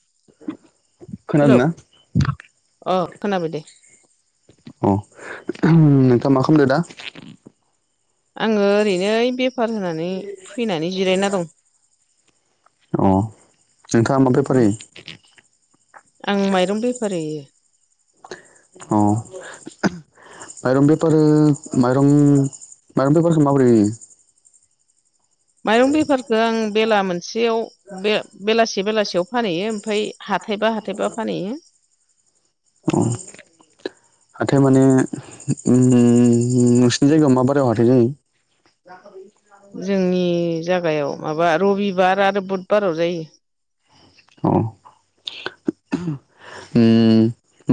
[inaudible] Hello खोनादोना? अ खोनाबाय दे अ नोंथां मा खामदो दा? आङो ओरैनो बेफार होनानै फैनानै जिरायना दं। अ नोंथाङा बेफार उम होयो? आं माइरं बेफार होयो औ माइरं बेपार माइरं माइरं बेपारखौ माबोरै होयो? [inaudible] माइरं बेफारखौ आं बेला मोनसेयाव बेलासे बेलासियाव फानहैयो। ओमफ्राय हाथायबा हाथायबा फानहैयो। [inaudible] हाथाय माने नोंसिनि जायगायाव मा बारायाव हाथाय जायो? [inaudible] जोंनि जागायाव माबा रबिबार आरो बुधबाराव जायो। अ ओ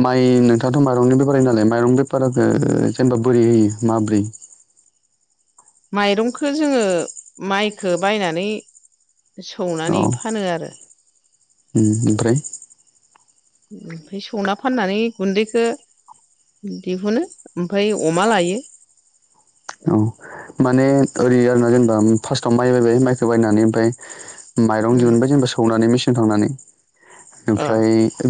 माइ नोंथाङाथ' माइरंनि बेफार होयो नालाय माइरंनि बेफारखौ जेनेबा बोरै होयो माबोरै? माइरंखौ जोङो माइखो बायनानै अ सौनानै उम फानो आरो ओमफ्राय ओमफ्राय सौना फाननानै गुनदैखौ दिहुनो ओमफ्राय अमा लायो औ माने ओरै आरोना जेनेबा फार्स्टआव माइ बायबाय माइखौ बायनानै ओमफ्राय माइरं उम दिहुनबाय जेनेबा सौनानै मेसिन नानै अ ओमफ्राय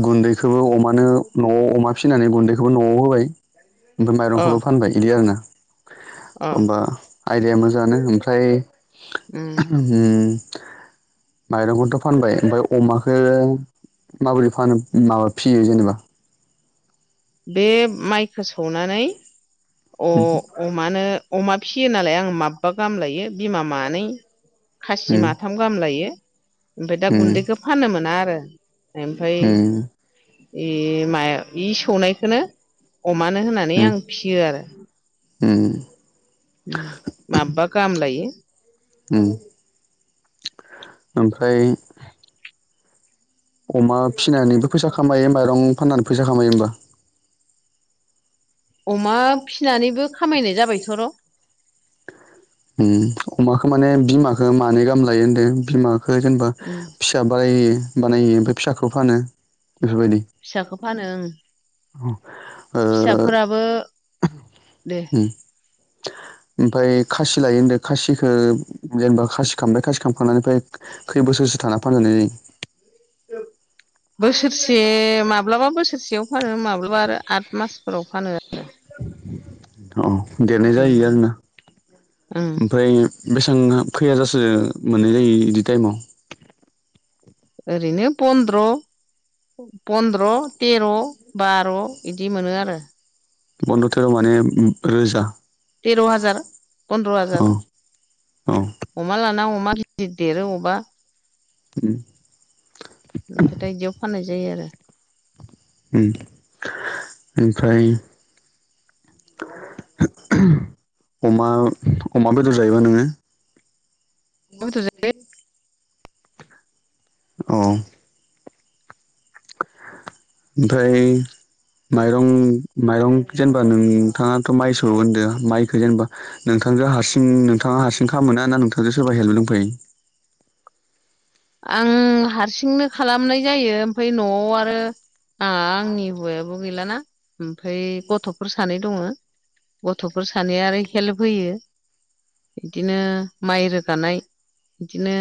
गुनदै खौबो अमानो न'आव अमा फिसिनानै गुनदैखौबो न'आव होबाय ओमफ्राय अ माइरंखौबो फानबाय बिदि आरोना अ होमबा आयदाया मोजाङानो ओमफ्राय उम ओ [inaudible] माइरंखौथ' फानबाय ओमफ्राय अमाखो माबोरै फानो माबा फिसियो जेनेबा बे माइखो सौनानै अ उम अमानो अमा फिसियो नालाय आं माबबा गाहाम लायो बिमा मानै खासि उम माथाम गाहाम लायो ओमफ्राय दा उम गुनदैखौ फाननो मोना आरो उम ओमफ्राय सौनायखौनो अमानो होननानै आं फिसियो आरो ओ माबबा गाहाम लायो उ ओमफ्राय अमा फिसिनानैबो फैसा खामायो माइरं फाननानै फैसा खामायो होमबा अमा फिसिनानैबो खामायनाय जाबायथ'र' अमाखौ माने बिमाखो मानै गाहाम लायो होनदों बिमा खौ जेनेबा फिसा बाय बानायो बेनिफ्राय फिसाखौ फानो बेफोरबायदि फिसाखो फानो ओं ओ उम फिसाफोराबो दे ओमफ्राय खासि लायो होनो खासिखौ जेनेबा खासि खामबाय खासि खालामखांनानै ओमफ्राय खै बोसोर बोसोरसो थाना फानजानाय जायो बोसोरसे माब्लाबा बोसोरसेयाव फानो माब्लाबा आरो आठ मासफोराव फानो आरो अ देरनाय जायो आरोना ओं ओमफ्राय बेसांबा खैहाजारसो मोननाय जायो बिदि टाइमाव ओरैनो पन्द्र पन्द्र' तेर' बार' बिदि मोनो आरो बन्द' थेराव माने रोजा तेर' हाजार फन्दद्र' औ हाजार औ उम अमा लाना अमा गिदिर देरो अबबा ओमफ्राय दा बिदियाव फा जायो आरो उम ओमफ्राय उम अमा अमा बेदर जायोबा नोङो अमा आरो बेदर जायो औ [unintelligible] ओमफ्राय माइरं माइरं जेनेबा नोंथाङाथ' माइ सौवो होनदो माइखौ जेनेबा नों थांजों हारसिं नोंथाङा हारसिं खामोना ना नोंथांजों सोरबा हेल्प दंफायो [unintelligible] आं हारसिंनो खालामनाय जायो ओमफ्राय न'आव आरो आं आंनि हौवायाबो गैलाना ओमफ्राय गथ'फोर सानै दङ गथ'फोर सानैया आरो हेल्प होयो बिदिनो माइ रोगानाय बिदिनो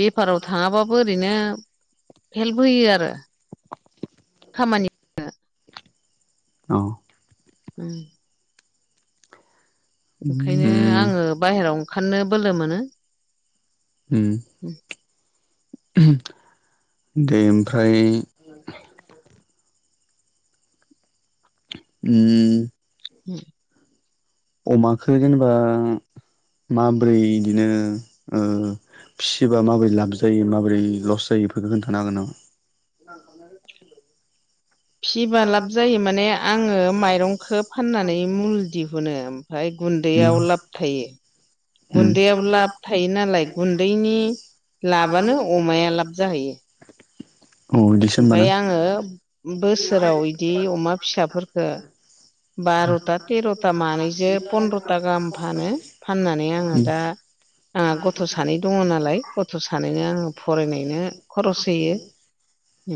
बेफाराव थाङाबाबो ओरैनो हेल्प होयो आरो खामानि औ उम ओंखायनो उम आङो बाहेरायाव ओंखारनो बोलो मोनो उम दे ओमफ्राय उम उ अमाखौ जेनेबा माबोरै बिदिनो ओ फिसिबा माबोरै लाब जायो माबोरै लस जायो बेफोरखौ खोन्थानो हागोन नामा फिबा लाब जायो माने आङो माइरंखौ फाननानै मुल दिहुनो ओमफ्राय गु न्दैयाव नामा? लाब थायो उम गुन्दैयाव लाब थायो नालाय गुन्दैनि लाबानो अमाया लाब जाहैयो औ इदिसो होमबाना ओमफाय आङो बोसोराव बिदि अमा फिसाफोरफोरखौ बार'था तेर'था मानैजो पन्द्र'था गाहाम फानो फानना नै आङो उम दा आंहा गथ' सानै दङ नालाय गथ' सानैनो आङो फरायनायनो खरस होयो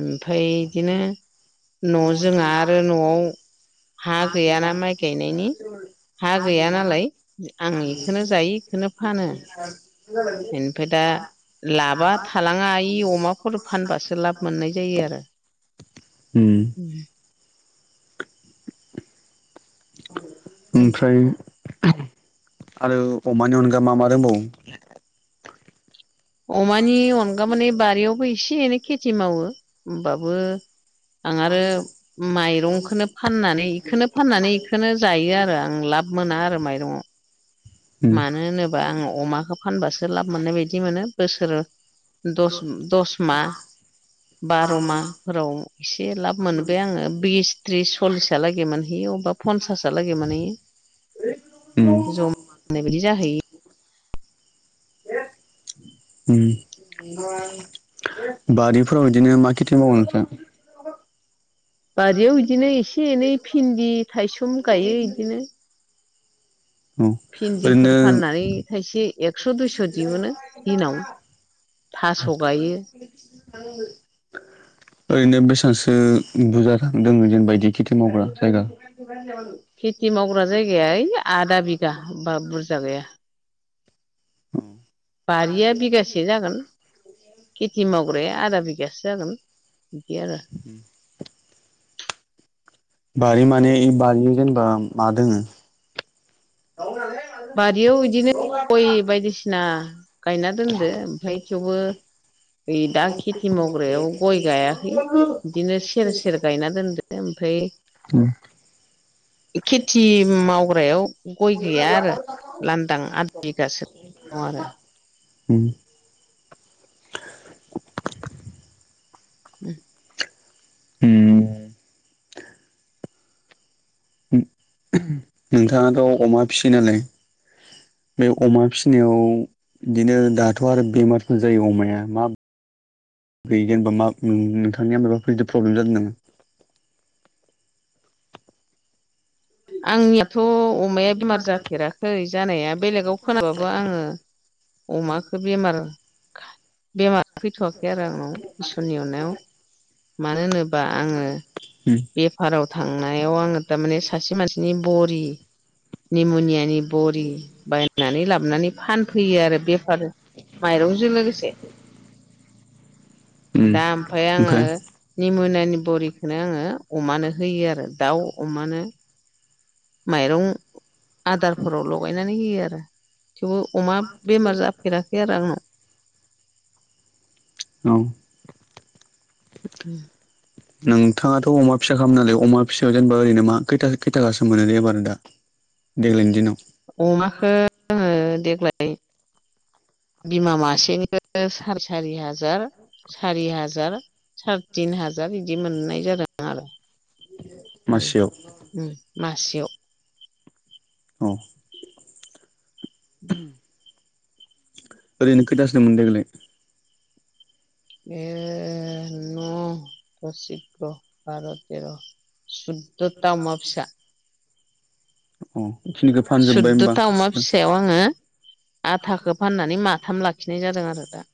ओमफ्राय बिदिनो न' जोंहा आरो न'आव हा गैयाना गैया माइ गायनायनि हा गैया नालाय आं बेखौनो जायो बेखौनो फानो बेनिफ्राय दा लाबा थालाङा इ अमाफोर फानबासो लाब मोननाय जायो आरो‌ उम ओमफ्राय आरो अमानि अनगा मा मा दोंबावो? अमानि अनगा माने बारियावबो एसे एनै खेथि मावो होमबाबो। आं आरो माइरंखौनो फाननानै बेखौनो फाननानै बेखौनो जायो आरो आं ला। ब मोना आरो माइरङाव उम मानो होनोबा आङो अमाखौ फानबासो लाब मोननाय बायदि मोनो बोसोर। दस दस मा। बार' माहफोराव एसे लाब मोनबाय आङो बिस त्रिस सल्लिससालागै मोनहैयो। बा पन्सासा लागै मोनहैयो। ओम। बुंनाय बादि जाहैयो। उम। बारिफोराव बिदिनो मा खेथि मावो नोंसोर। बारियाव बिदिनो एसे एनै भिन्दि थाइसोम गायो इदिनो। औ ओरैनो भिन्दिफोर फाननानै थायसे एक्स' दुइस' दिहुननो दिनाव थास' गायो। औ। ओरैनो बेसेबांसो बुरजा दङ जेनेबा इदि खेथि मावग्रा जायगा। खेथि मावग्रा जायगाया ओइ आधा बिगा बुरजा गैया। बारिया बिगासे जागोन खेथि मावग्राया आदा बिगासो जागोन। बिदि आरो। बारि माने बारियाव जेनेबा मा दोङो। बारियाव बिदिनो गय बायदिसिना गायना दोनदो ओमफ्राय [unintelligible] थेवबो। ओइ दा खेथि मावग्रायाव गय गायाखै बिदिनो सेर सेर गायना दोनदों। ओमफ्राय [inaudible] खेथि मावग्रायाव गय गैया आरो लांदां आद बिगासो दं आरो [inaudible] ओम ओम ओम। नोंथाङाथ' अमा फियो नालाय। बे अमा फिसिनायाव बिदिनो दाथ' आरो बेमारफोर जायो अमाया मा। [inaudible] होयो जेनेबा मा नोंथांनिया माबाफोर बिदि प्रब्लेम जादों नामा? [inaudible] आंनियाथ' अमाया बेमार जाफेराखै जानाया बेलेगाव खोनाबाबो आङो। अमाखौ बेमार बेमार फैथ'वाखै आरो आंनाव इसोरनि अननायाव मानो होनोबा आङो उम बेफाराव थांनायाव आङो थारमाने। सासे मानसिनि बरि निमनियानि बरि बायनानै लाबोनानै। फानफैयो आरो बेफार माइरंजों लोगोसे दा ओमफ्राय आङो निमु। आंनि बरिखौनो आङो अमानो होयो आरो दाउ अमानो। माइरं आदारफोराव लगायनानै होयो आरो थेवबो अमा बेमार जाफेराखै आरो आंनाव। औ। [inaudible] नोंथाङाथ' अमा फिसा खालामो नालाय अमा फिसायाव जेनेबा ओरैनो मा खैथा खैथासो मोनो जेनेबा नोंथां। देग्लायनि दिनाव अमाखौ आङो देग्लाय बिमा मासेनिफ्राय सार सारि हाजार सारि हाजार सार तिन हाजार बिदि मोननाय जादों आरो मासेयाव मासेयाव औ [inaudible] ओरैनो खैथासो मोन्देरनाय ए न दस ग्यार बार थजर सुदद सुद ता अमा फिसा अ बेखिनिखौ फानजोब्बाय होमबा सुददथा अमा गासिबो फिसायाव आङो आधाखौ फाननानै माथाम लाखिनाय जादों आरो दा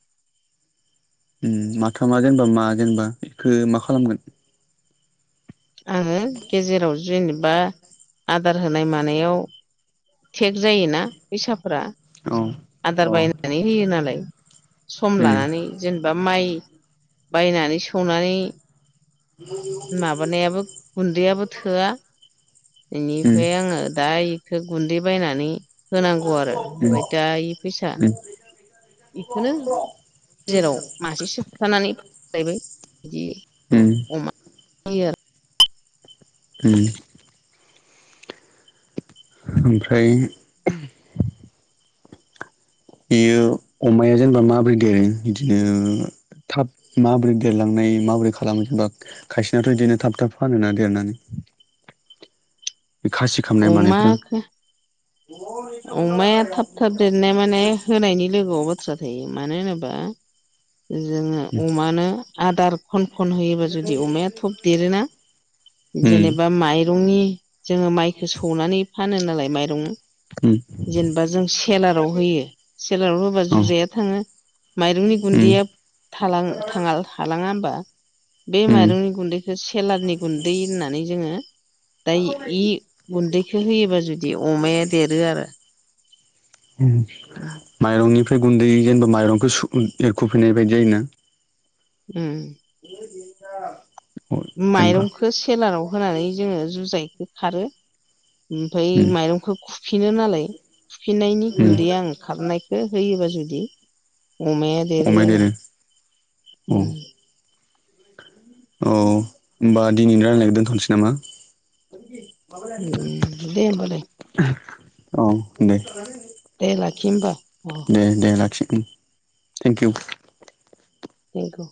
माथामा जेनेबा मा जेनेबा बेखौ मा खालामगोन आङो गेजेराव जेनेबा आदार होनाय मानायाव थेक जायोना फैसाफोरा औ उम आदार उम बायनानै होयो नालाय सम लानानै जेनेबा माइ बायनानै सौनानै माबानायाबो गुन्दैयाबो थोआ बेनिफ्राय उम आङो दा इखौ गुन्दै बायनानै होनांगौ आरो ओमफ्राय दा इ फैसा उम बेखौनो जेराव मासे सोबथानानै फानायबाय उम बिदि अमा [unintelligible] उम ओमफ्राय बियो अमाया जेनेबा माबोरै देरो बिदिनो थाब माबोरै देरलांनाय माबोरै खालामो जेनेबा खायसेनाथ बिदिनो थाब थाब फानोना देरनानै [inaudible] खासि खामनाय मानायफ्रा अमाखौ अमाया थाब थाब देरनाय माने होनायनि लोगोआव बाथ्रा थायो मानो होनोबा जोङो अमानो आदार ख खन होयोबा जुदि अमाया थब देरोना उम जेनेबा माइरंनि जोङो बेखौ सौनानै फानो नालाय माइरं उम जेनेबा जों सेलाराव होयो सेलाराव होबा औ जुजाया थाङो माइरंनि उम गुन्दैया थालाङा होमबा बे उम माइरंनि गुन्दैखौ थेलारनि गुन्दै होननानै जोङो दा इ गुन्दैखौ होयोबा जुदि अमाया देरो आरो माइरंनि ओमफ्राय गुन्दै जेनेबा माइरंखौ एरखुफैनाय बायदि जो उम [unintelligible] जेनेबा माइरंखौ सेेलाराव होनानै जोङो जुजाइखौ खारो ओमफ्राय उम माइरंखौ खुफिनो नालाय खुफिनायनि उम गुन्दैया आं खारनायखौ होयोबा जुदि अमाया देरो आरो अ उम औ होनोमबा दिनैनि रायनायखौ दोनथनोसै नामा उम दे होमबालाय औ दे दे लाखि होमबा अ दे दे लाखि उम थेंकयु थेंकयु